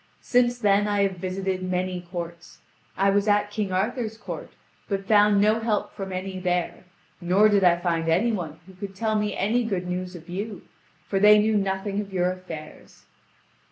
Since then I have visited many courts; I was at King Arthur's court, but found no help from any there, nor did I find any one who could tell me any good news of you, for they knew nothing of your affairs."